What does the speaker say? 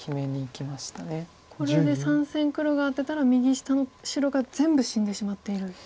これで３線黒がアテたら右下の白が全部死んでしまっている。